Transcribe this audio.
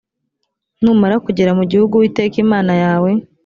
numara kugera mu gihugu uwiteka imana yawe